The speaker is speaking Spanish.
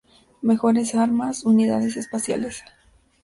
Mejores Armas: Unidades espaciales.